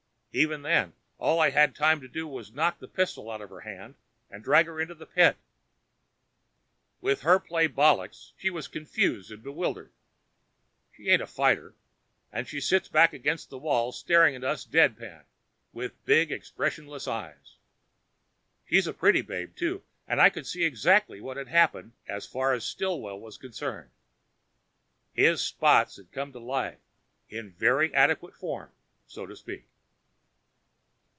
Even then, all I had time to do was knock the pistol out of her hand and drag her into the pit. With her play bollixed, she was confused and bewildered. She ain't a fighter, and she sits back against the wall staring at us dead pan with big expressionless eyes. She's a plenty pretty babe and I could see exactly what had happened as far as Stillwell was concerned. His spots had come to life in very adequate form so to speak.